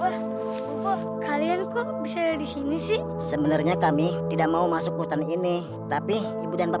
bapak bapak kalian kok bisa disini sih sebenarnya kami tidak mau masuk hutan ini tapi ibu dan